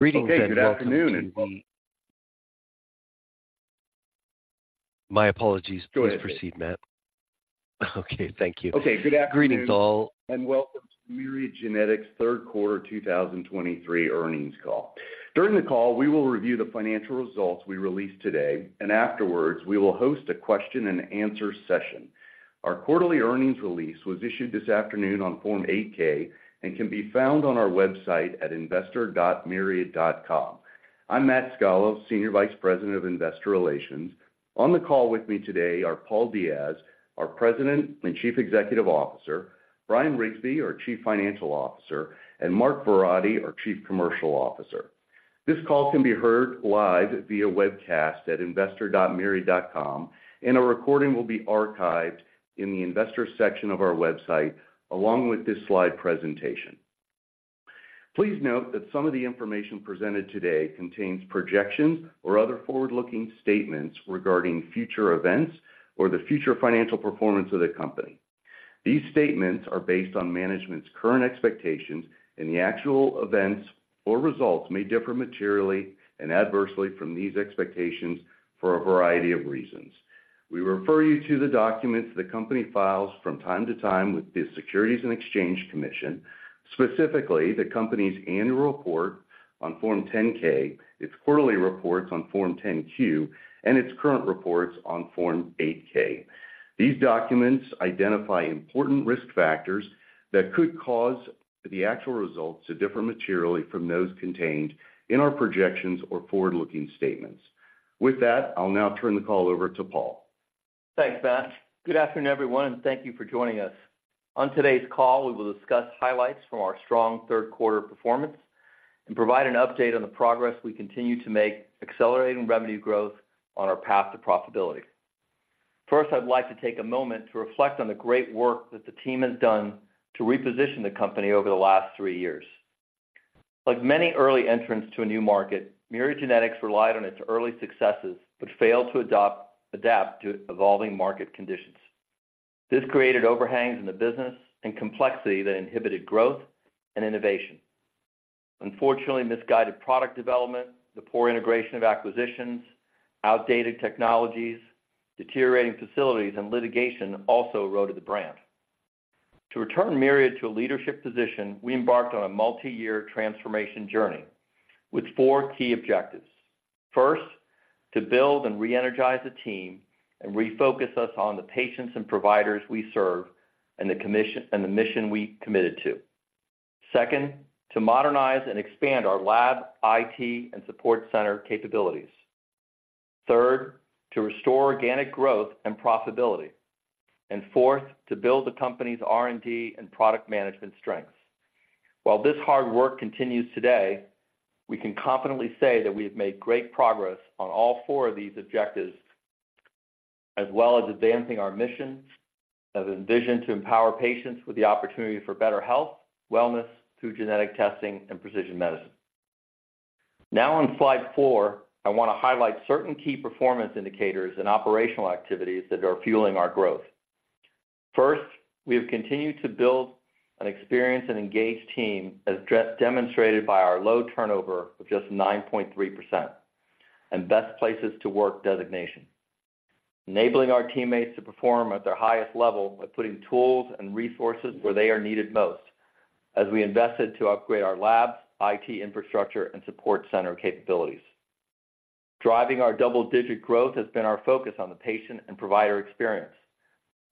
Greetings and good afternoon. My apologies. Go ahead. Please proceed, Matt. Okay, thank you. Okay, good afternoon- Greetings, all. Welcome to Myriad Genetics' third quarter 2023 earnings call. During the call, we will review the financial results we released today, and afterwards, we will host a question-and-answer session. Our quarterly earnings release was issued this afternoon on Form 8-K and can be found on our website at investor.myriad.com. I'm Matt Scalo, Senior Vice President of Investor Relations. On the call with me today are Paul Diaz, our President and Chief Executive Officer, Brian Rigsby, our Chief Financial Officer, and Mark Verratti, our Chief Commercial Officer. This call can be heard live via webcast at investor.myriad.com, and a recording will be archived in the investor section of our website, along with this slide presentation. Please note that some of the information presented today contains projections or other forward-looking statements regarding future events or the future financial performance of the company. These statements are based on management's current expectations, and the actual events or results may differ materially and adversely from these expectations for a variety of reasons. We refer you to the documents the company files from time to time with the Securities and Exchange Commission, specifically the company's annual report on Form 10-K, its quarterly reports on Form 10-Q, and its current reports on Form 8-K. These documents identify important risk factors that could cause the actual results to differ materially from those contained in our projections or forward-looking statements. With that, I'll now turn the call over to Paul. Thanks, Matt. Good afternoon, everyone, and thank you for joining us. On today's call, we will discuss highlights from our strong third quarter performance and provide an update on the progress we continue to make, accelerating revenue growth on our path to profitability. First, I'd like to take a moment to reflect on the great work that the team has done to reposition the company over the last three years. Like many early entrants to a new market, Myriad Genetics relied on its early successes, but failed to adapt to evolving market conditions. This created overhangs in the business and complexity that inhibited growth and innovation. Unfortunately, misguided product development, the poor integration of acquisitions, outdated technologies, deteriorating facilities, and litigation also eroded the brand. To return Myriad to a leadership position, we embarked on a multi-year transformation journey with four key objectives. First, to build and re-energize the team and refocus us on the patients and providers we serve, and the commission, and the mission we committed to. Second, to modernize and expand our lab, IT, and support center capabilities. Third, to restore organic growth and profitability, and fourth, to build the company's R&D and product management strengths. While this hard work continues today, we can confidently say that we have made great progress on all four of these objectives, as well as advancing our mission of envision to empower patients with the opportunity for better health, wellness through genetic testing and precision medicine. Now on slide 4, I want to highlight certain key performance indicators and operational activities that are fueling our growth. First, we have continued to build an experienced and engaged team, as demonstrated by our low turnover of just 9.3% and Best Places to Work designation, enabling our teammates to perform at their highest level by putting tools and resources where they are needed most, as we invested to upgrade our labs, IT infrastructure, and support center capabilities. Driving our double-digit growth has been our focus on the patient and provider experience.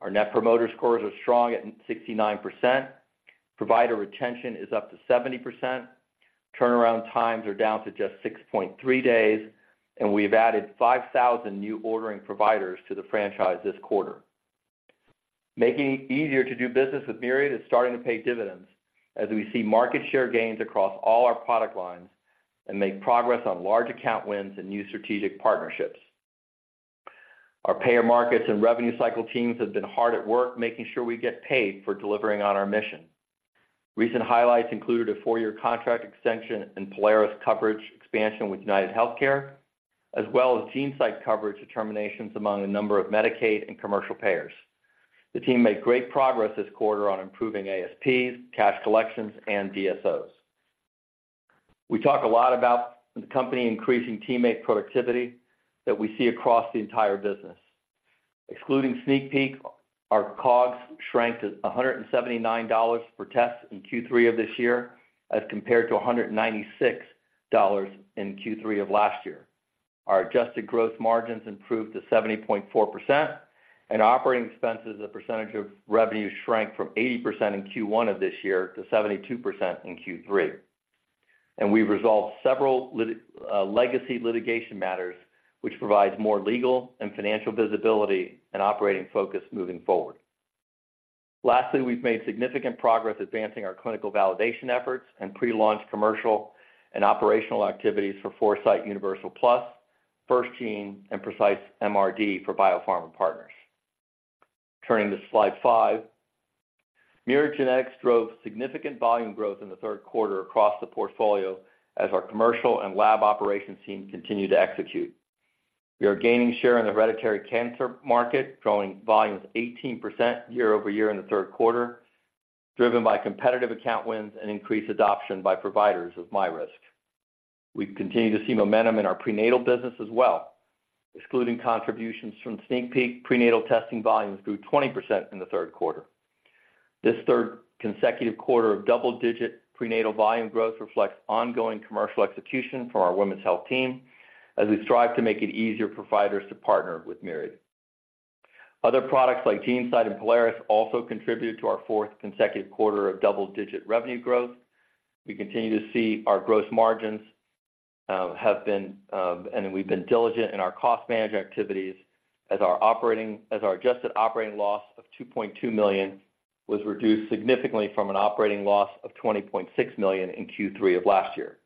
Our net promoter scores are strong at 69%, provider retention is up to 70%, turnaround times are down to just 6.3 days, and we've added 5,000 new ordering providers to the franchise this quarter. Making it easier to do business with Myriad is starting to pay dividends, as we see market share gains across all our product lines and make progress on large account wins and new strategic partnerships. Our payer markets and revenue cycle teams have been hard at work, making sure we get paid for delivering on our mission. Recent highlights included a 4-year contract extension and Prolaris coverage expansion with UnitedHealthcare, as well as GeneSight coverage determinations among a number of Medicaid and commercial payers. The team made great progress this quarter on improving ASPs, cash collections, and DSOs. We talk a lot about the company increasing teammate productivity that we see across the entire business. Excluding SneakPeek, our COGS shrank to $179 per test in Q3 of this year, as compared to $196 in Q3 of last year. Our adjusted gross margins improved to 70.4%, and operating expenses as a percentage of revenue shrank from 80% in Q1 of this year to 72% in Q3. We've resolved several legacy litigation matters, which provides more legal and financial visibility and operating focus moving forward. Lastly, we've made significant progress advancing our clinical validation efforts and pre-launch commercial and operational activities for Foresight Universal Plus, FirstGene, and Precise MRD for Biopharma Partners. Turning to slide 5, Myriad Genetics drove significant volume growth in the third quarter across the portfolio as our commercial and lab operations team continued to execute... We are gaining share in the hereditary cancer market, growing volumes 18% year-over-year in the third quarter, driven by competitive account wins and increased adoption by providers of MyRisk. We continue to see momentum in our prenatal business as well. Excluding contributions from SneakPeek, prenatal testing volumes grew 20% in the third quarter. This third consecutive quarter of double-digit prenatal volume growth reflects ongoing commercial execution from our women's health team, as we strive to make it easier for providers to partner with Myriad. Other products like GeneSight and Prolaris also contributed to our fourth consecutive quarter of double-digit revenue growth. We continue to see our gross margins have been, and we've been diligent in our cost management activities as our adjusted operating loss of $2.2 million was reduced significantly from an operating loss of $20.6 million in Q3 of last year.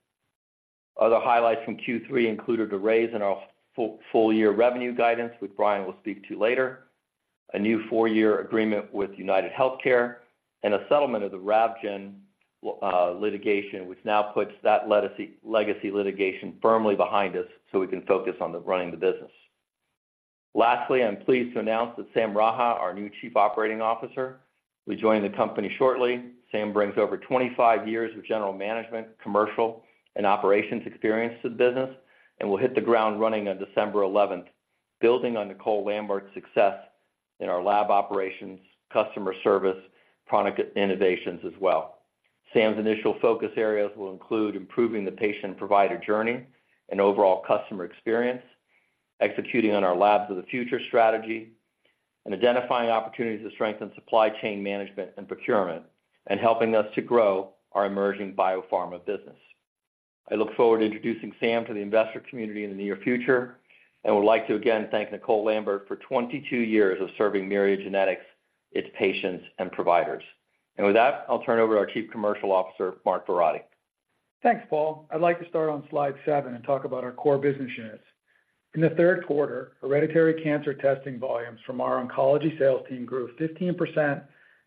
Other highlights from Q3 included a raise in our full-year revenue guidance, which Brian will speak to later, a new four-year agreement with UnitedHealthcare, and a settlement of the Ravgen litigation, which now puts that legacy litigation firmly behind us so we can focus on running the business. Lastly, I'm pleased to announce that Sam Raha, our new Chief Operating Officer, will join the company shortly. Sam brings over 25 years of general management, commercial and operations experience to the business, and will hit the ground running on December eleventh, building on Nicole Lambert's success in our lab operations, customer service, product innovations as well. Sam's initial focus areas will include improving the patient-provider journey and overall customer experience, executing on our Labs of the Future strategy, and identifying opportunities to strengthen supply chain management and procurement, and helping us to grow our emerging biopharma business. I look forward to introducing Sam to the investor community in the near future, and would like to again thank Nicole Lambert for 22 years of serving Myriad Genetics, its patients, and providers. With that, I'll turn it over to our Chief Commercial Officer, Mark Verratti. Thanks, Paul. I'd like to start on slide 7 and talk about our core business units. In the third quarter, hereditary cancer testing volumes from our oncology sales team grew 15%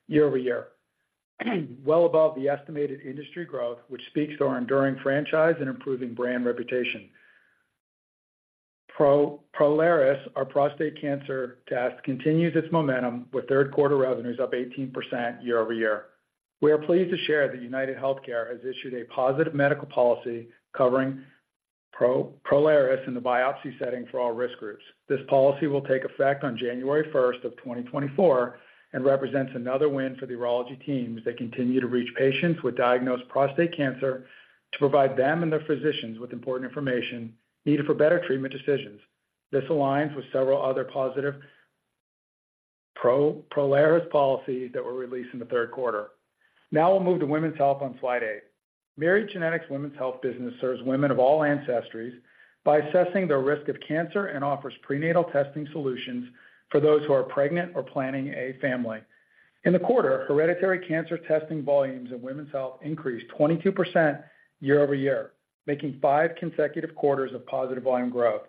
year-over-year, well above the estimated industry growth, which speaks to our enduring franchise and improving brand reputation. Prolaris, our prostate cancer test, continues its momentum, with third quarter revenues up 18% year-over-year. We are pleased to share that UnitedHealthcare has issued a positive medical policy covering Prolaris in the biopsy setting for all risk groups. This policy will take effect on January 1, 2024, and represents another win for the urology teams that continue to reach patients with diagnosed prostate cancer to provide them and their physicians with important information needed for better treatment decisions. This aligns with several other positive Prolaris policies that were released in the third quarter. Now we'll move to women's health on slide 8. Myriad Genetics' Women's Health business serves women of all ancestries by assessing their risk of cancer and offers prenatal testing solutions for those who are pregnant or planning a family. In the quarter, hereditary cancer testing volumes in women's health increased 22% year over year, making 5 consecutive quarters of positive volume growth.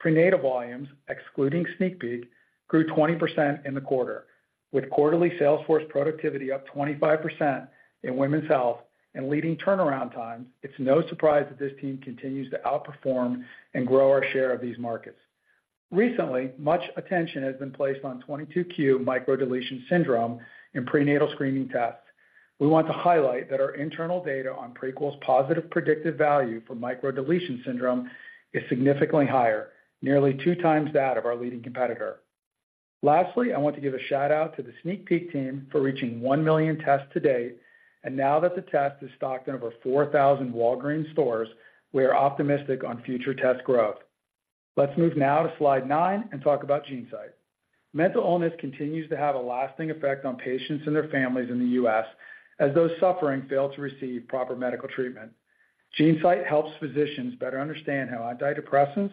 Prenatal volumes, excluding SneakPeek, grew 20% in the quarter, with quarterly sales force productivity up 25% in women's health and leading turnaround times. It's no surprise that this team continues to outperform and grow our share of these markets. Recently, much attention has been placed on 22q microdeletion syndrome in prenatal screening tests. We want to highlight that our internal data on Prequel's positive predictive value for microdeletion syndrome is significantly higher, nearly 2 times that of our leading competitor. Lastly, I want to give a shout-out to the SneakPeek team for reaching 1 million tests to date, and now that the test is stocked in over 4,000 Walgreens stores, we are optimistic on future test growth. Let's move now to slide 9 and talk about GeneSight. Mental illness continues to have a lasting effect on patients and their families in the U.S., as those suffering fail to receive proper medical treatment. GeneSight helps physicians better understand how antidepressants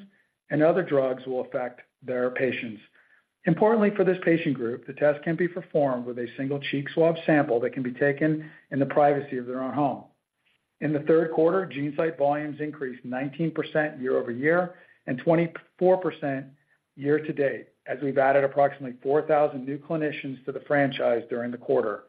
and other drugs will affect their patients. Importantly for this patient group, the test can be performed with a single cheek swab sample that can be taken in the privacy of their own home. In the third quarter, GeneSight volumes increased 19% year-over-year and 24% year-to-date, as we've added approximately 4,000 new clinicians to the franchise during the quarter.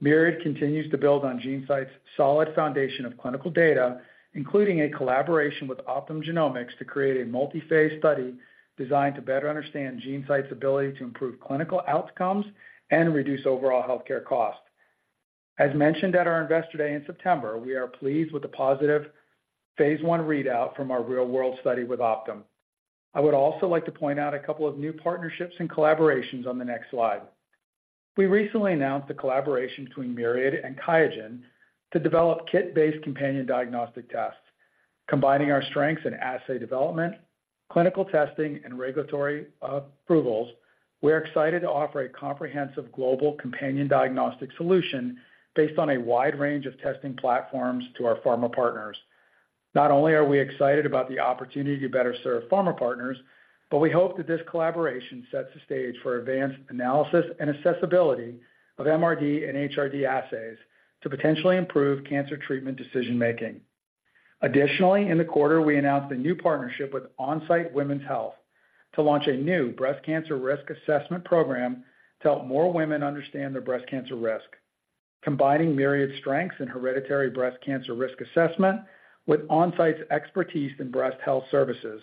Myriad continues to build on GeneSight's solid foundation of clinical data, including a collaboration with Optum Genomics to create a multi-phase study designed to better understand GeneSight's ability to improve clinical outcomes and reduce overall healthcare costs. As mentioned at our Investor Day in September, we are pleased with the positive phase one readout from our real-world study with Optum. I would also like to point out a couple of new partnerships and collaborations on the next slide. We recently announced the collaboration between Myriad and QIAGEN to develop kit-based companion diagnostic tests. Combining our strengths in assay development, clinical testing, and regulatory approvals, we're excited to offer a comprehensive global companion diagnostic solution based on a wide range of testing platforms to our pharma partners. Not only are we excited about the opportunity to better serve pharma partners, but we hope that this collaboration sets the stage for advanced analysis and accessibility of MRD and HRD assays to potentially improve cancer treatment decision-making. Additionally, in the quarter, we announced a new partnership with Onsite Women’s Health to launch a new breast cancer risk assessment program to help more women understand their breast cancer risk, combining Myriad's strengths in hereditary breast cancer risk assessment with Onsite's expertise in breast health services.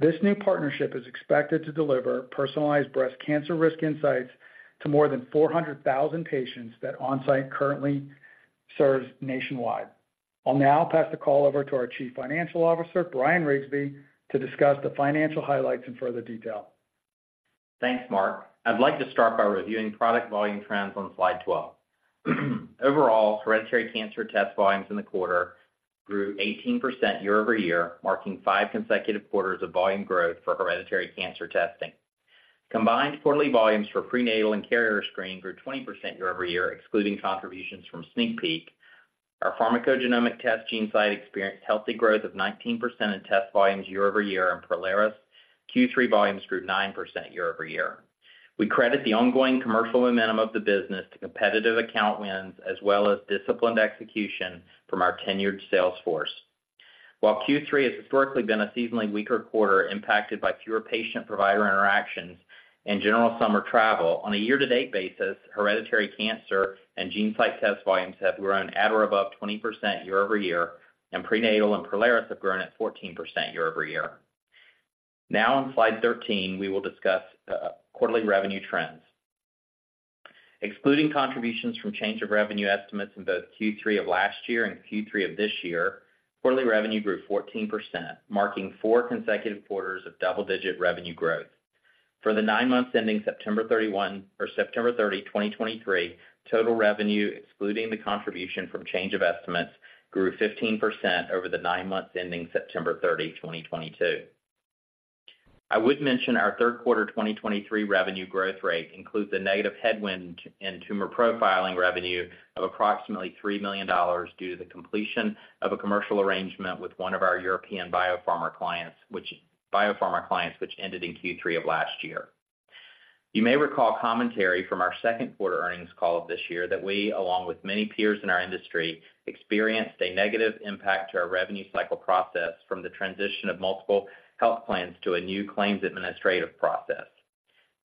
This new partnership is expected to deliver personalized breast cancer risk insights to more than 400,000 patients that Onsite currently serves nationwide. I'll now pass the call over to our Chief Financial Officer, Brian Rigsby, to discuss the financial highlights in further detail. Thanks, Mark. I'd like to start by reviewing product volume trends on slide 12. Overall, hereditary cancer test volumes in the quarter grew 18% year-over-year, marking 5 consecutive quarters of volume growth for hereditary cancer testing. Combined quarterly volumes for prenatal and carrier screening grew 20% year-over-year, excluding contributions from SneakPeek. Our pharmacogenomic test, GeneSight, experienced healthy growth of 19% in test volumes year-over-year, and Prolaris Q3 volumes grew 9% year-over-year. We credit the ongoing commercial momentum of the business to competitive account wins, as well as disciplined execution from our tenured sales force. While Q3 has historically been a seasonally weaker quarter, impacted by fewer patient-provider interactions and general summer travel, on a year-to-date basis, hereditary cancer and GeneSight test volumes have grown at or above 20% year-over-year, and prenatal and Prolaris have grown at 14% year-over-year. Now, on slide 13, we will discuss quarterly revenue trends. Excluding contributions from change of revenue estimates in both Q3 of last year and Q3 of this year, quarterly revenue grew 14%, marking 4 consecutive quarters of double-digit revenue growth. For the nine months ending September 31-- or September 30, 2023, total revenue, excluding the contribution from change of estimates, grew 15% over the nine months ending September 30, 2022. I would mention our third quarter 2023 revenue growth rate includes a negative headwind in tumor profiling revenue of approximately $3 million due to the completion of a commercial arrangement with one of our European biopharma clients, which ended in Q3 of last year. You may recall commentary from our second quarter earnings call of this year, that we, along with many peers in our industry, experienced a negative impact to our revenue cycle process from the transition of multiple health plans to a new claims administrative process.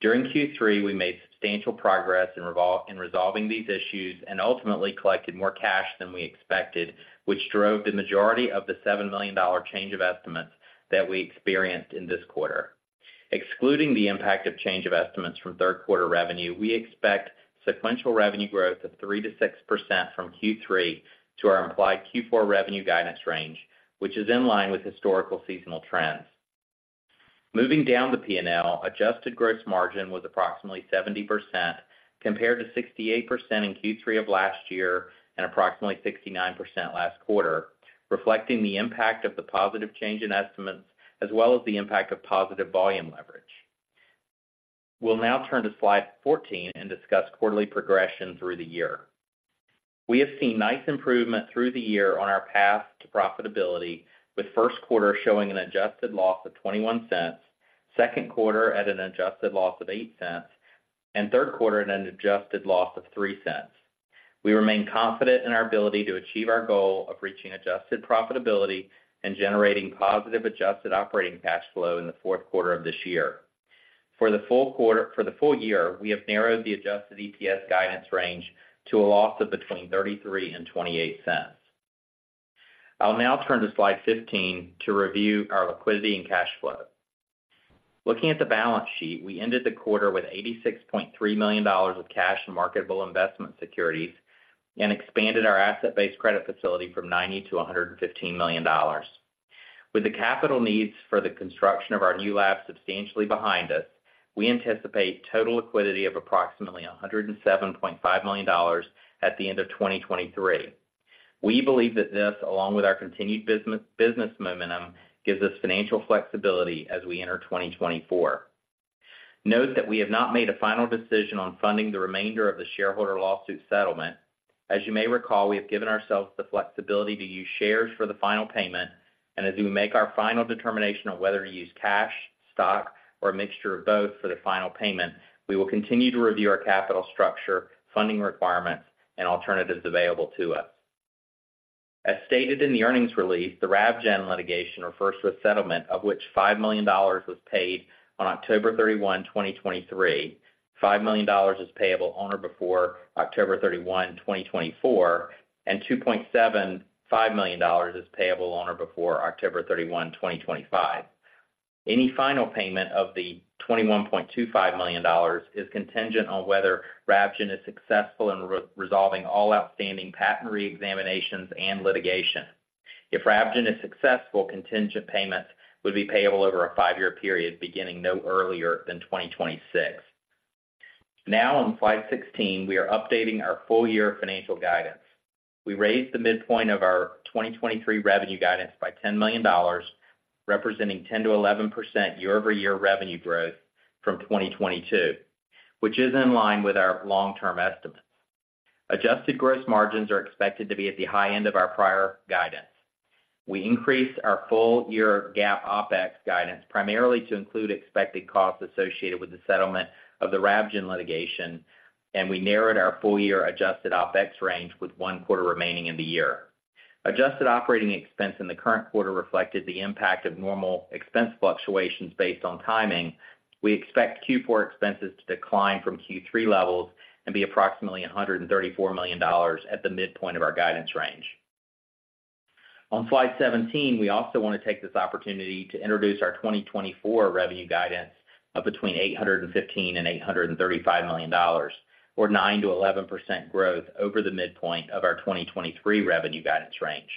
During Q3, we made substantial progress in resolving these issues and ultimately collected more cash than we expected, which drove the majority of the $7 million change of estimates that we experienced in this quarter. Excluding the impact of change of estimates from third quarter revenue, we expect sequential revenue growth of 3%-6% from Q3 to our implied Q4 revenue guidance range, which is in line with historical seasonal trends. Moving down the P&L, adjusted gross margin was approximately 70%, compared to 68% in Q3 of last year and approximately 69% last quarter, reflecting the impact of the positive change in estimates, as well as the impact of positive volume leverage. We'll now turn to slide 14 and discuss quarterly progression through the year. We have seen nice improvement through the year on our path to profitability, with first quarter showing an adjusted loss of $0.21, second quarter at an adjusted loss of $0.08, and third quarter at an adjusted loss of $0.03. We remain confident in our ability to achieve our goal of reaching adjusted profitability and generating positive adjusted operating cash flow in the fourth quarter of this year. For the full year, we have narrowed the adjusted EPS guidance range to a loss of between $0.33 and $0.28. I'll now turn to slide 15 to review our liquidity and cash flow. Looking at the balance sheet, we ended the quarter with $86.3 million of cash and marketable investment securities and expanded our asset-based credit facility from $90 million to $115 million. With the capital needs for the construction of our new lab substantially behind us, we anticipate total liquidity of approximately $107.5 million at the end of 2023. We believe that this, along with our continued business momentum, gives us financial flexibility as we enter 2024. Note that we have not made a final decision on funding the remainder of the shareholder lawsuit settlement. As you may recall, we have given ourselves the flexibility to use shares for the final payment, and as we make our final determination on whether to use cash, stock, or a mixture of both for the final payment, we will continue to review our capital structure, funding requirements, and alternatives available to us. As stated in the earnings release, the Ravgen litigation refers to a settlement of which $5 million was paid on October 31, 2023. $5 million is payable on or before October 31, 2024, and $2.75 million is payable on or before October 31, 2025. Any final payment of the $21.25 million is contingent on whether Ravgen is successful in re-resolving all outstanding patent reexaminations and litigation. If Ravgen is successful, contingent payments would be payable over a five-year period, beginning no earlier than 2026. Now, on slide 16, we are updating our full-year financial guidance. We raised the midpoint of our 2023 revenue guidance by $10 million, representing 10%-11% year-over-year revenue growth from 2022, which is in line with our long-term estimates. Adjusted gross margins are expected to be at the high end of our prior guidance. We increased our full-year GAAP OpEx guidance primarily to include expected costs associated with the settlement of the Ravgen litigation, and we narrowed our full-year adjusted OpEx range with one quarter remaining in the year. Adjusted operating expense in the current quarter reflected the impact of normal expense fluctuations based on timing. We expect Q4 expenses to decline from Q3 levels and be approximately $134 million at the midpoint of our guidance range. On slide 17, we also want to take this opportunity to introduce our 2024 revenue guidance of between $815 million and $835 million, or 9%-11% growth over the midpoint of our 2023 revenue guidance range.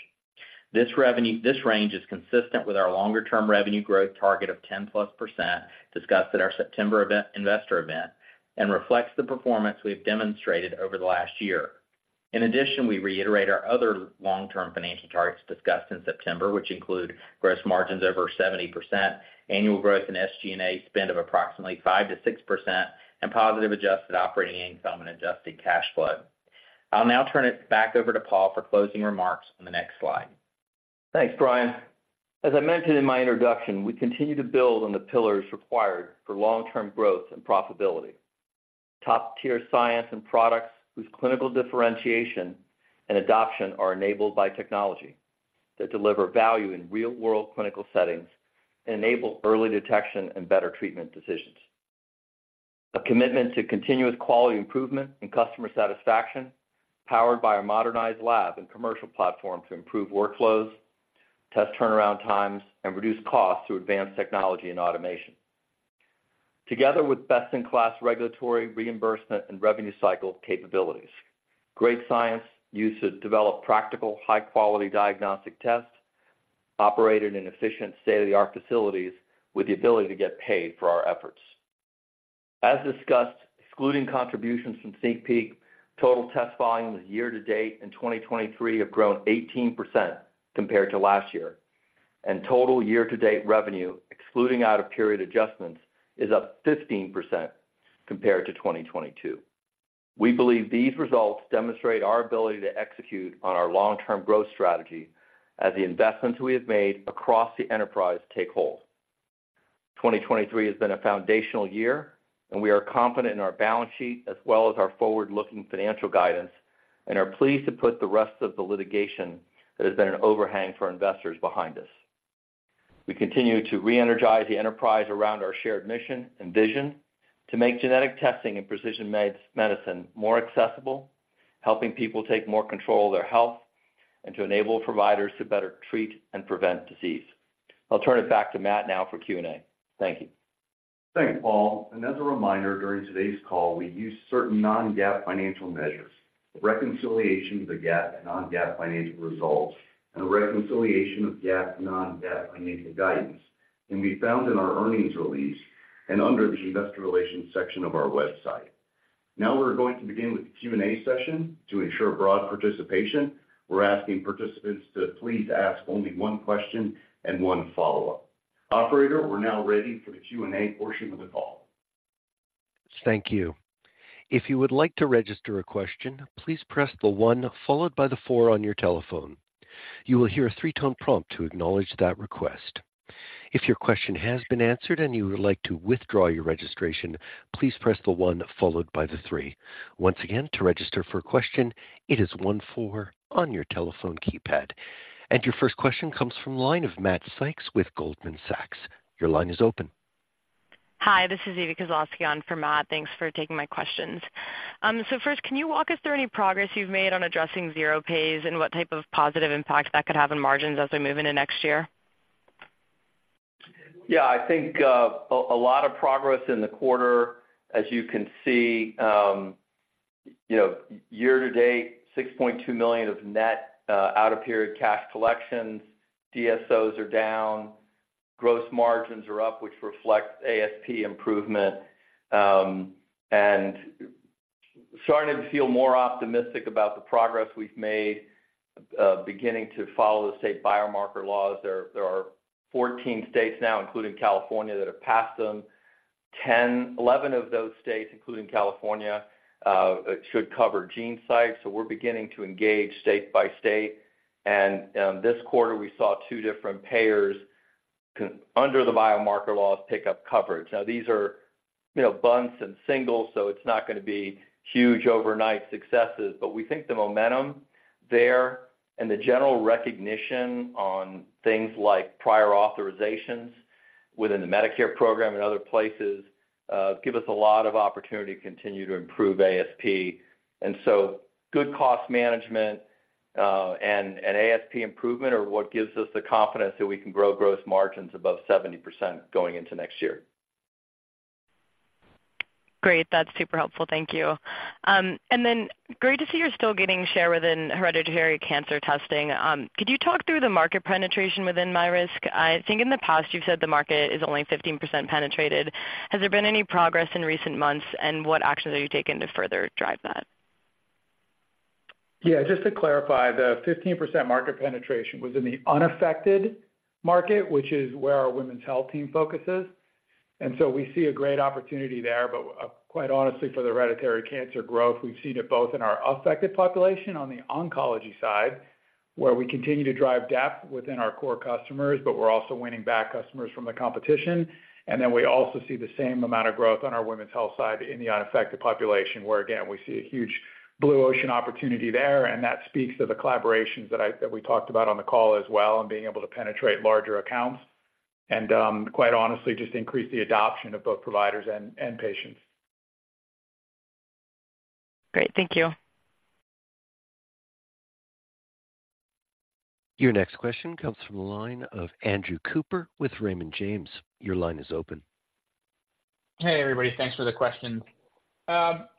This range is consistent with our longer-term revenue growth target of 10%+, discussed at our September event, investor event, and reflects the performance we've demonstrated over the last year. In addition, we reiterate our other long-term financial targets discussed in September, which include gross margins over 70%, annual growth in SG&A spend of approximately 5%-6%, and positive adjusted operating income and adjusted cash flow. I'll now turn it back over to Paul for closing remarks on the next slide. Thanks, Brian. As I mentioned in my introduction, we continue to build on the pillars required for long-term growth and profitability. Top-tier science and products whose clinical differentiation and adoption are enabled by technology, that deliver value in real-world clinical settings and enable early detection and better treatment decisions. A commitment to continuous quality improvement and customer satisfaction, powered by our modernized lab and commercial platform to improve workflows, test turnaround times, and reduce costs through advanced technology and automation. Together with best-in-class regulatory reimbursement and revenue cycle capabilities, great science used to develop practical, high-quality diagnostic tests, operated in efficient, state-of-the-art facilities with the ability to get paid for our efforts. As discussed, excluding contributions from SneakPeek, total test volumes year-to-date in 2023 have grown 18% compared to last year, and total year-to-date revenue, excluding out-of-period adjustments, is up 15% compared to 2022. We believe these results demonstrate our ability to execute on our long-term growth strategy as the investments we have made across the enterprise take hold. 2023 has been a foundational year, and we are confident in our balance sheet as well as our forward-looking financial guidance, and are pleased to put the rest of the litigation that has been an overhang for investors behind us. We continue to reenergize the enterprise around our shared mission and vision to make genetic testing and precision medicine more accessible, helping people take more control of their health and to enable providers to better treat and prevent disease. I'll turn it back to Matt now for Q&A. Thank you. Thanks, Paul. And as a reminder, during today's call, we use certain non-GAAP financial measures. Reconciliation of the GAAP and non-GAAP financial results, and a reconciliation of GAAP to non-GAAP financial guidance, can be found in our earnings release and under the Investor Relations section of our website. Now we're going to begin with the Q&A session. To ensure broad participation, we're asking participants to please ask only one question and one follow-up. Operator, we're now ready for the Q&A portion of the call. Thank you. If you would like to register a question, please press the one followed by the four on your telephone. You will hear a three-tone prompt to acknowledge that request. If your question has been answered and you would like to withdraw your registration, please press the one followed by the three. Once again, to register for a question, it is one four on your telephone keypad. And your first question comes from the line of Matt Sykes with Goldman Sachs. Your line is open. Hi, this is Eva Kozlowski in for Matt. Thanks for taking my questions. So first, can you walk us through any progress you've made on addressing zero pays and what type of positive impact that could have on margins as we move into next year? Yeah, I think a lot of progress in the quarter, as you can see, you know, year-to-date, $6.2 million of net out-of-period cash collections. DSOs are down, gross margins are up, which reflects ASP improvement, and starting to feel more optimistic about the progress we've made, beginning to follow the state biomarker laws. There are 14 states now, including California, that have passed them. Eleven of those states, including California, should cover GeneSight. So we're beginning to engage state by state, and this quarter, we saw 2 different payers under the biomarker laws pick up coverage. Now, these are, you know, bunts and singles, so it's not going to be huge overnight successes, but we think the momentum there and the general recognition on things like prior authorizations within the Medicare program and other places give us a lot of opportunity to continue to improve ASP. And so good cost management and ASP improvement are what gives us the confidence that we can grow gross margins above 70% going into next year. Great. That's super helpful. Thank you. Great to see you're still gaining share within hereditary cancer testing. Could you talk through the market penetration within MyRisk? I think in the past you've said the market is only 15% penetrated. Has there been any progress in recent months, and what actions are you taking to further drive that? Yeah, just to clarify, the 15% market penetration was in the unaffected market, which is where our women's health team focuses, and so we see a great opportunity there. But, quite honestly, for the hereditary cancer growth, we've seen it both in our affected population on the oncology side, where we continue to drive depth within our core customers, but we're also winning back customers from the competition. And then we also see the same amount of growth on our women's health side in the unaffected population, where again, we see a huge blue ocean opportunity there, and that speaks to the collaborations that we talked about on the call as well, and being able to penetrate larger accounts. ... and, quite honestly, just increase the adoption of both providers and patients. Great. Thank you. Your next question comes from the line of Andrew Cooper with Raymond James. Your line is open. Hey, everybody. Thanks for the question.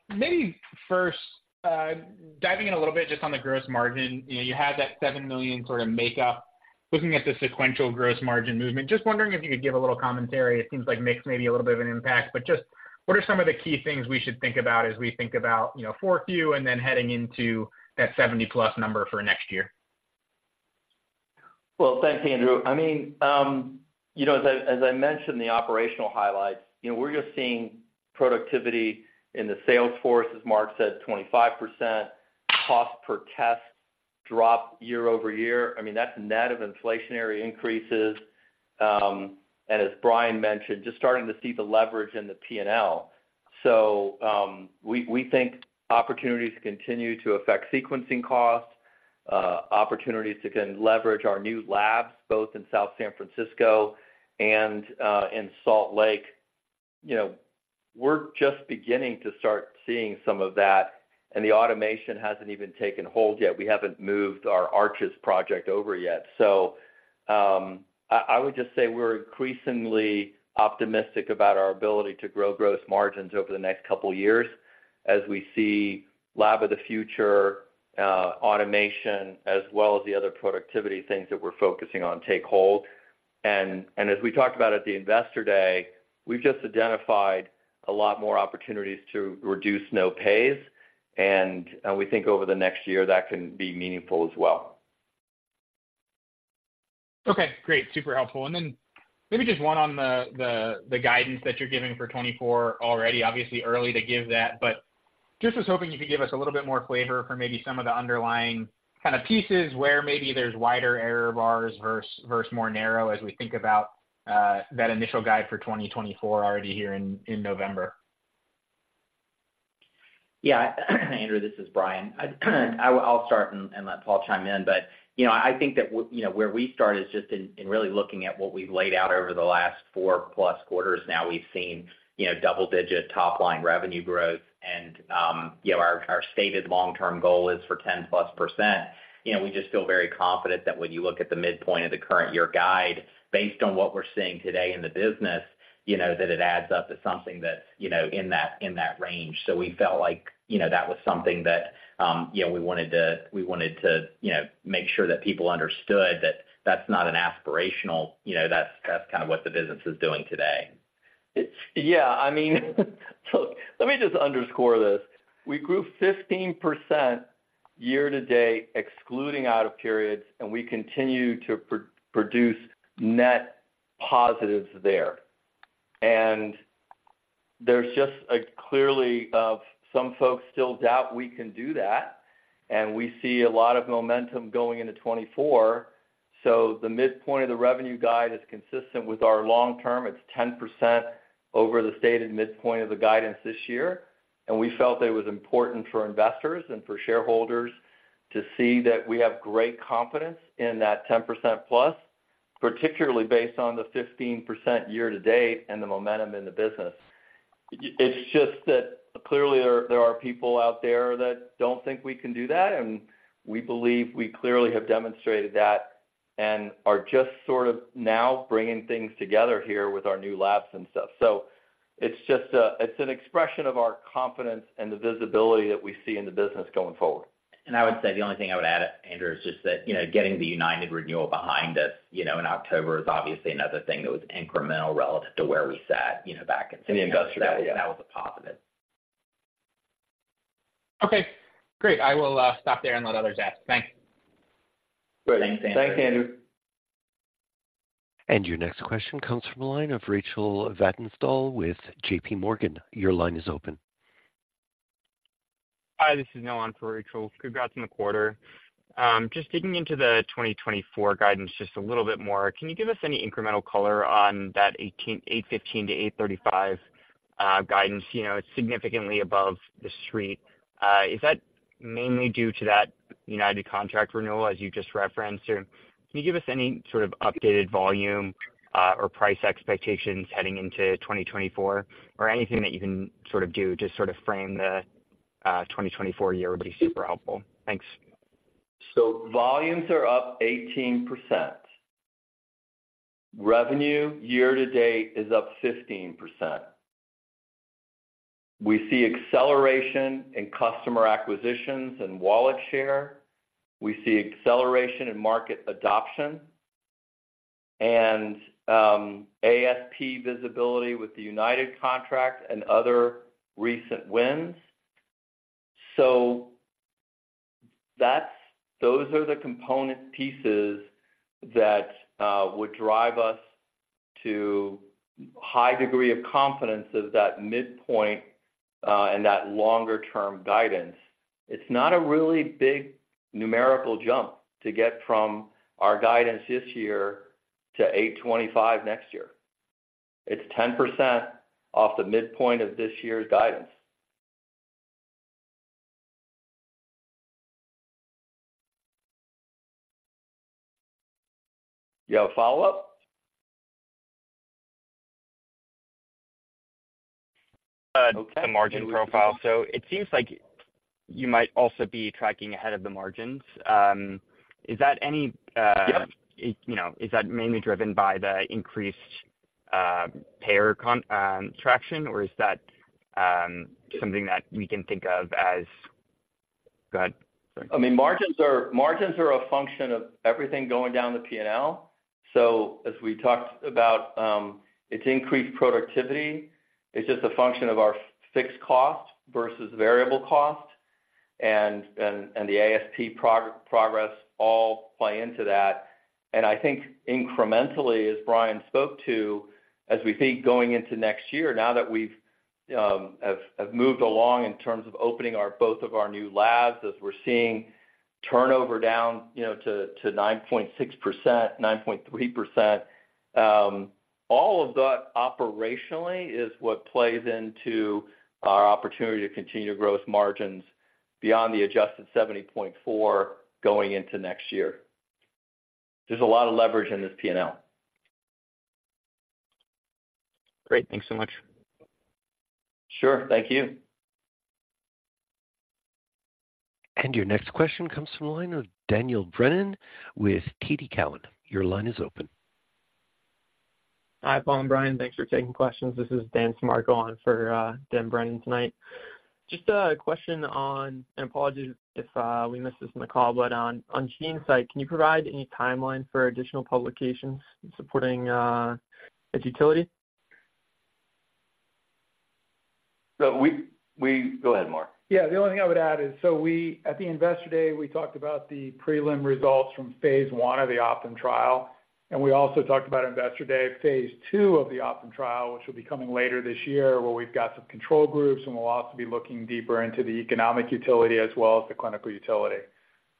Maybe first, diving in a little bit just on the gross margin. You know, you had that $7 million sort of makeup. Looking at the sequential gross margin movement, just wondering if you could give a little commentary. It seems like mix may be a little bit of an impact, but just what are some of the key things we should think about as we think about, you know, fourth Q and then heading into that 70+ number for next year? Well, thanks, Andrew. I mean, you know, as I mentioned, the operational highlights, you know, we're just seeing productivity in the sales force, as Mark said, 25%. Cost per test dropped year-over-year. I mean, that's net of inflationary increases. And as Brian mentioned, just starting to see the leverage in the PNL. So, we think opportunities continue to affect sequencing costs, opportunities to can leverage our new labs, both in South San Francisco and in Salt Lake. You know, we're just beginning to start seeing some of that, and the automation hasn't even taken hold yet. We haven't moved our Arches project over yet. So, I would just say we're increasingly optimistic about our ability to grow gross margins over the next couple of years as we see Lab of the Future, automation, as well as the other productivity things that we're focusing on take hold. And, as we talked about at the Investor Day, we've just identified a lot more opportunities to reduce no-pays, and we think over the next year, that can be meaningful as well. Okay, great. Super helpful. And then maybe just one on the guidance that you're giving for 2024 already. Obviously, early to give that, but just was hoping you could give us a little bit more flavor for maybe some of the underlying pieces where maybe there's wider error bars versus more narrow, as we think about that initial guide for 2024 already here in November. Yeah, Andrew, this is Brian. I'll start and let Paul chime in, but you know, I think that you know, where we start is just in really looking at what we've laid out over the last 4-plus quarters. Now, we've seen you know, double-digit top-line revenue growth, and you know, our stated long-term goal is for 10-plus%. You know, we just feel very confident that when you look at the midpoint of the current year guide, based on what we're seeing today in the business, you know, that it adds up to something that's you know, in that range. So we felt like, you know, that was something that, you know, we wanted to, we wanted to, you know, make sure that people understood that that's not an aspirational, you know, that's, that's kind of what the business is doing today. It's—yeah, I mean, so let me just underscore this: We grew 15% year to date, excluding out of periods, and we continue to produce net positives there. And there's just clarity of... some folks still doubt we can do that, and we see a lot of momentum going into 2024. So the midpoint of the revenue guide is consistent with our long-term. It's 10% over the stated midpoint of the guidance this year, and we felt it was important for investors and for shareholders to see that we have great confidence in that 10%+, particularly based on the 15% year to date and the momentum in the business. It's just that clearly, there are people out there that don't think we can do that, and we believe we clearly have demonstrated that and are just sort of now bringing things together here with our new labs and stuff. So it's just an expression of our confidence and the visibility that we see in the business going forward. I would say the only thing I would add, Andrew, is just that, you know, getting the United renewal behind us, you know, in October is obviously another thing that was incremental relative to where we sat, you know, back in- In the industrial, yeah. That was a positive. Okay, great. I will stop there and let others ask. Thanks. Great. Thanks, Andrew. Thanks, Andrew. Your next question comes from the line of Rachel Vatnsdal with J.P. Morgan. Your line is open. Hi, this is Nolan for Rachel. Congrats on the quarter. Just digging into the 2024 guidance just a little bit more. Can you give us any incremental color on that $815-$835 guidance? You know, it's significantly above the street. Is that mainly due to that United contract renewal, as you just referenced, or can you give us any sort of updated volume or price expectations heading into 2024, or anything that you can sort of do to sort of frame the 2024 year would be super helpful. Thanks. So volumes are up 18%. Revenue year to date is up 15%. We see acceleration in customer acquisitions and wallet share. We see acceleration in market adoption and ASP visibility with the United contract and other recent wins. So that's, those are the component pieces that would drive us to high degree of confidence of that midpoint and that longer-term guidance. It's not a really big numerical jump to get from our guidance this year to 825 next year. It's 10% off the midpoint of this year's guidance. You have a follow-up? The margin profile. So it seems like you might also be tracking ahead of the margins. Is that any, Yep. You know, is that mainly driven by the increased payer contraction, or is that something that we can think of as... Go ahead, sorry. I mean, margins are, margins are a function of everything going down the P&L. So as we talked about, it's increased productivity. It's just a function of our fixed cost versus variable cost, and the ASP progress all play into that. And I think incrementally, as Brian spoke to, as we think going into next year, now that we've have moved along in terms of opening our both of our new labs, as we're seeing turnover down, you know, to 9.6%, 9.3%. All of that operationally is what plays into our opportunity to continue to grow its margins beyond the adjusted 70.4 going into next year. There's a lot of leverage in this P&L. Great. Thanks so much. Sure. Thank you. Your next question comes from the line of Daniel Brennan with TD Cowen. Your line is open. Hi, Paul and Brian. Thanks for taking questions. This is Dan Macek on for Dan Brennan tonight. Just a question on, and apologies if we missed this in the call, but on GeneSight, can you provide any timeline for additional publications supporting its utility? So we... Go ahead, Mark. Yeah, the only thing I would add is, so we, at the Investor Day, we talked about the prelim results from phase one of the OPTIM trial, and we also talked about Investor Day, phase two of the OPTIM trial, which will be coming later this year, where we've got some control groups, and we'll also be looking deeper into the economic utility as well as the clinical utility.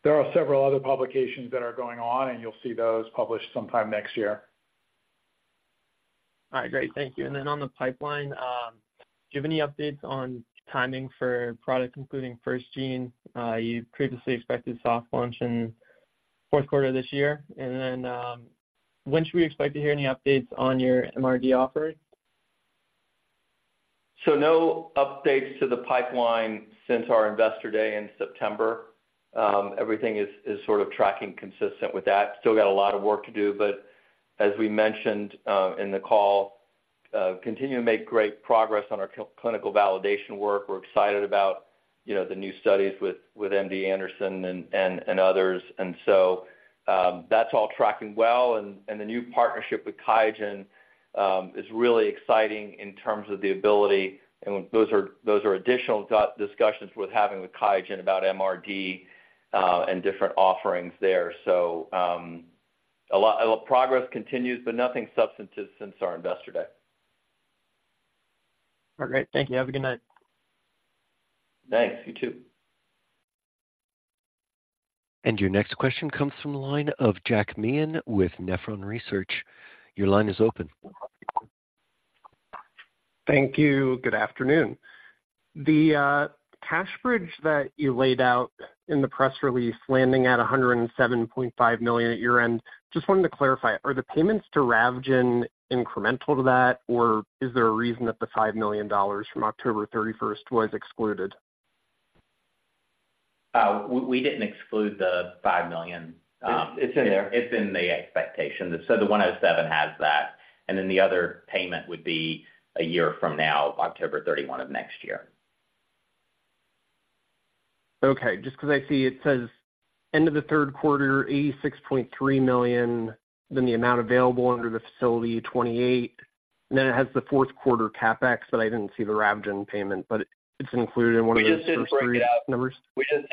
There are several other publications that are going on, and you'll see those published sometime next year. All right. Great. Thank you. And then on the pipeline, do you have any updates on timing for products, including FirstGene? You previously expected soft launch in fourth quarter this year. And then, when should we expect to hear any updates on your MRD offering? So no updates to the pipeline since our Investor Day in September. Everything is, is sort of tracking consistent with that. Still got a lot of work to do, but as we mentioned, in the call, continuing to make great progress on our clinical validation work. We're excited about, you know, the new studies with, with MD Anderson and, and, and others. And so, that's all tracking well. And, and the new partnership with QIAGEN, is really exciting in terms of the ability, and those are, those are additional discussions worth having with QIAGEN about MRD, and different offerings there. So, a lot, a lot progress continues, but nothing substantive since our Investor Day. All right, great. Thank you. Have a good night. Thanks. You too. Your next question comes from the line of Jack Meehan with Nephron Research. Your line is open. Thank you. Good afternoon. The cash bridge that you laid out in the press release, landing at $107.5 million at year-end, just wanted to clarify, are the payments to Ravgen incremental to that, or is there a reason that the $5 million from October 31 was excluded? We didn't exclude the $5 million. It's in there. It's in the expectation. So the 107 has that, and then the other payment would be a year from now, October 31 of next year. Okay. Just because I see it says, end of the third quarter, $86.3 million, then the amount available under the facility, $28 million, and then it has the fourth quarter CapEx, but I didn't see the Ravgen payment, but it's included in one of the first three numbers? We didn't break it out. We didn't-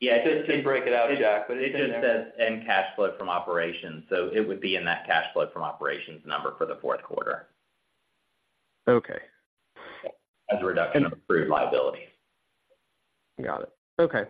Yeah, I did break it out, Jack, but it just says- Net cash flow from operations, so it would be in that cash flow from operations number for the fourth quarter. Okay. As a reduction of approved liability. Got it. Okay.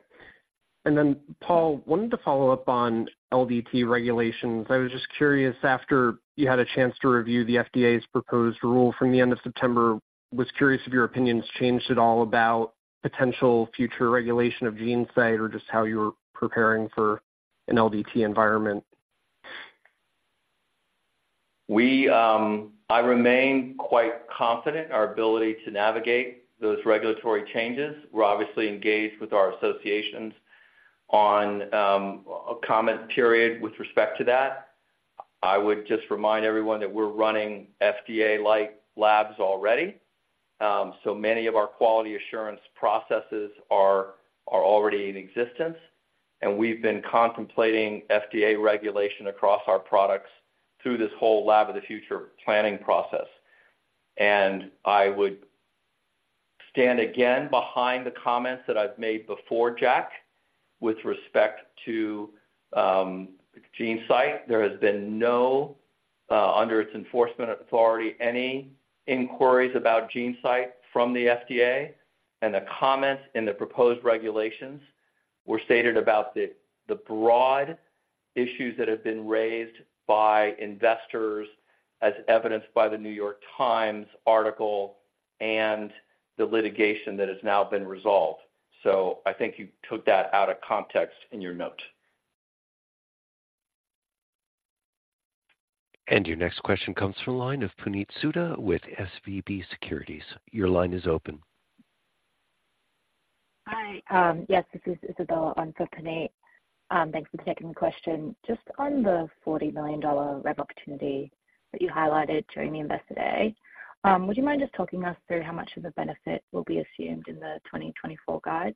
And then, Paul, wanted to follow up on LDT regulations. I was just curious, after you had a chance to review the FDA's proposed rule from the end of September, was curious if your opinion's changed at all about potential future regulation of GeneSight or just how you're preparing for an LDT environment? I remain quite confident in our ability to navigate those regulatory changes. We're obviously engaged with our associations on a comment period with respect to that. I would just remind everyone that we're running FDA-like labs already, so many of our quality assurance processes are already in existence, and we've been contemplating FDA regulation across our products through this whole Lab of the Future planning process. And I would stand again behind the comments that I've made before, Jack, with respect to GeneSight. There has been no under its enforcement authority, any inquiries about GeneSight from the FDA, and the comments in the proposed regulations were stated about the broad issues that have been raised by investors, as evidenced by The New York Times article and the litigation that has now been resolved. I think you took that out of context in your note. Your next question comes from line of Puneet Souda with SVB Securities. Your line is open. Hi, yes, this is Isabella on for Puneet. Thanks for taking the question. Just on the $40 million rev opportunity that you highlighted during the Investor Day, would you mind just talking us through how much of the benefit will be assumed in the 2024 guide?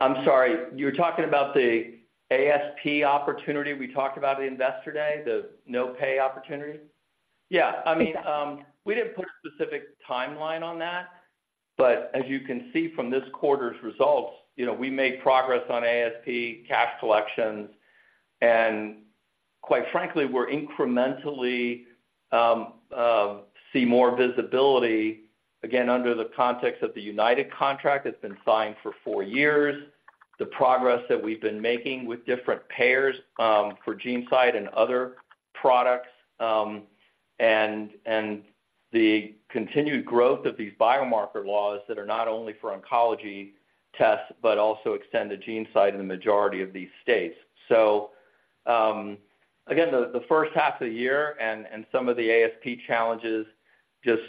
I'm sorry, you're talking about the ASP opportunity we talked about at Investor Day, the no-pay opportunity? Yeah. Exactly. I mean, we didn't put a specific timeline on that, but as you can see from this quarter's results, you know, we made progress on ASP cash collections, and quite frankly, we're incrementally see more visibility, again, under the context of the United contract that's been signed for four years, the progress that we've been making with different payers for GeneSight and other products, and the continued growth of these biomarker laws that are not only for oncology tests, but also extend to GeneSight in the majority of these states. So, again, the first half of the year and some of the ASP challenges just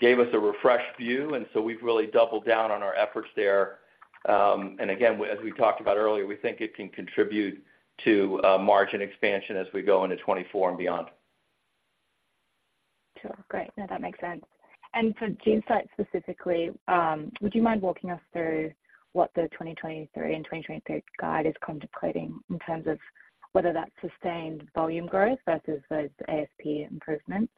gave us a refreshed view, and so we've really doubled down on our efforts there. Again, as we talked about earlier, we think it can contribute to margin expansion as we go into 2024 and beyond. Sure. Great. No, that makes sense. And for GeneSight specifically, would you mind walking us through what the 2023 and 2023 guide is contemplating in terms of whether that's sustained volume growth versus those ASP improvements?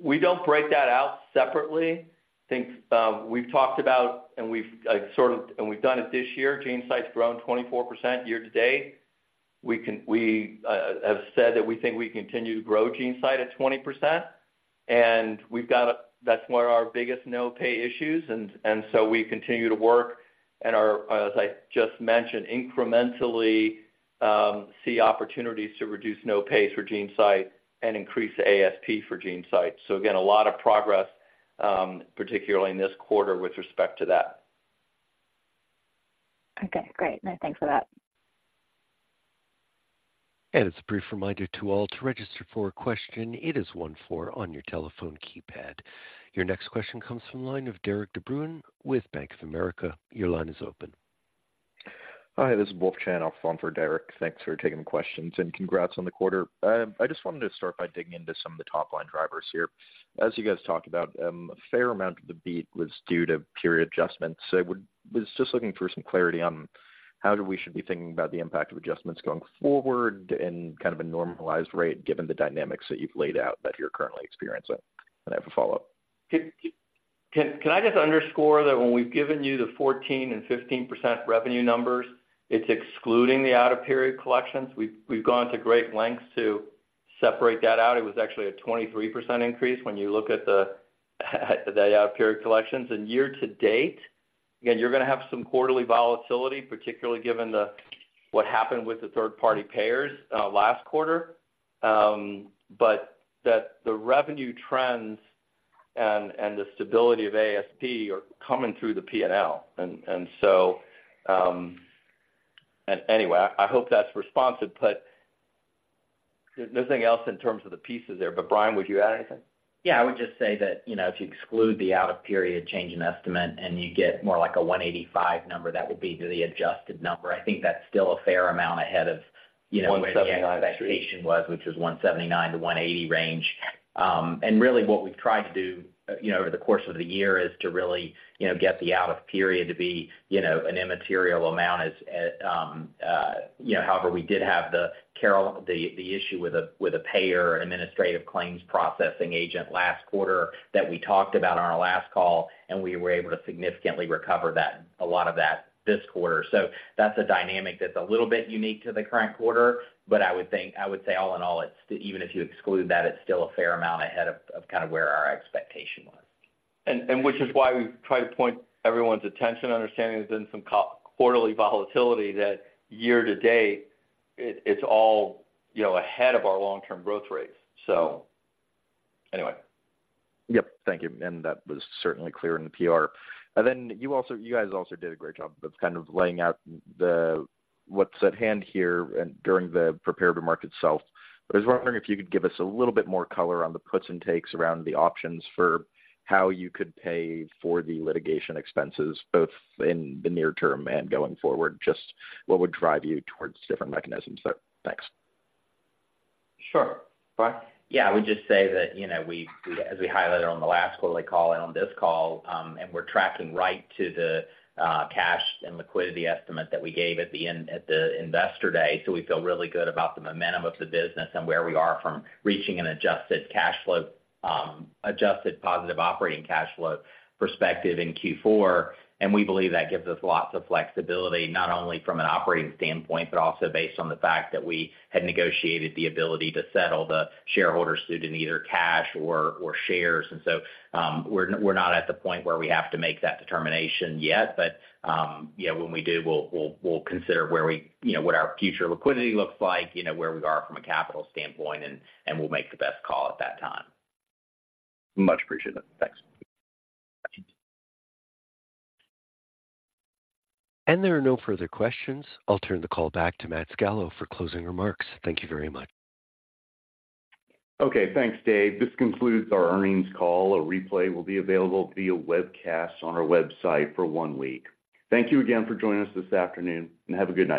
We don't break that out separately. I think, we've talked about and we've sort of, and we've done it this year, GeneSight's grown 24% year to date. We can—we have said that we think we continue to grow GeneSight at 20%, and we've got a—that's one of our biggest no-pay issues, and so we continue to work, and are, as I just mentioned, incrementally, see opportunities to reduce no pays for GeneSight and increase the ASP for GeneSight. So again, a lot of progress, particularly in this quarter with respect to that. Okay, great. No, thanks for that. It's a brief reminder to all to register for a question. It is 1, 4 on your telephone keypad. Your next question comes from line of Derek DeBruin with Bank of America. Your line is open. Hi, this is John Sourbeer, I'll follow for Derek. Thanks for taking the questions, and congrats on the quarter. I just wanted to start by digging into some of the top-line drivers here. As you guys talked about, a fair amount of the beat was due to period adjustments. So I was just looking for some clarity on how we should be thinking about the impact of adjustments going forward and kind of a normalized rate, given the dynamics that you've laid out that you're currently experiencing? And I have a follow-up. Can I just underscore that when we've given you the 14% and 15% revenue numbers, it's excluding the out-of-period collections. We've gone to great lengths to separate that out. It was actually a 23% increase when you look at the out-of-period collections. And year to date, again, you're going to have some quarterly volatility, particularly given the... What happened with the third-party payers last quarter. But the revenue trends and the stability of ASP are coming through the P&L. And so, anyway, I hope that's responsive, but nothing else in terms of the pieces there. But Brian, would you add anything? Yeah, I would just say that, you know, if you exclude the out-of-period change in estimate and you get more like a $1.85 number, that would be to the adjusted number. I think that's still a fair amount ahead of, you know- One seventy-nine. Where the expectation was, which is $179-$180 range. And really what we've tried to do, you know, over the course of the year is to really, you know, get the out of period to be, you know, an immaterial amount as, as, you know. However, we did have the Carol, the, the issue with a, with a payer, an administrative claims processing agent last quarter, that we talked about on our last call, and we were able to significantly recover that, a lot of that this quarter. So that's a dynamic that's a little bit unique to the current quarter, but I would think, I would say, all in all, it's, even if you exclude that, it's still a fair amount ahead of, of kind of where our expectation was. And which is why we've tried to point everyone's attention, understanding there's been some quarter-over-quarter volatility year-to-date, it's all, you know, ahead of our long-term growth rates. So anyway. Yep. Thank you. And that was certainly clear in the PR. And then you also, you guys also did a great job of kind of laying out the, what's at hand here and during the prepare to market itself. But I was wondering if you could give us a little bit more color on the puts and takes around the options for how you could pay for the litigation expenses, both in the near term and going forward. Just what would drive you towards different mechanisms there? Thanks. Sure. Brian? Yeah, I would just say that, you know, we as we highlighted on the last quarterly call and on this call, and we're tracking right to the cash and liquidity estimate that we gave at the end, at the Investor Day. So we feel really good about the momentum of the business and where we are from reaching an adjusted cash flow, adjusted positive operating cash flow perspective in Q4. And we believe that gives us lots of flexibility, not only from an operating standpoint, but also based on the fact that we had negotiated the ability to settle the shareholder suit in either cash or shares. So, we're not at the point where we have to make that determination yet, but you know, when we do, we'll consider where we you know what our future liquidity looks like, you know, where we are from a capital standpoint, and we'll make the best call at that time. Much appreciated. Thanks. There are no further questions. I'll turn the call back to Matt Scalo for closing remarks. Thank you very much. Okay, thanks, Dave. This concludes our earnings call. A replay will be available via webcast on our website for one week. Thank you again for joining us this afternoon, and have a good night.